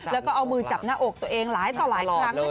แล้วก็เอามือจับหน้าอกตัวเองหลายต่อหลายครั้ง